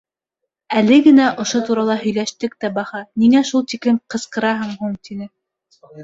— Әле генә ошо турала һөйләштек тә баһа, ниңә шул тиклем ҡысҡыраһың һуң? — тине.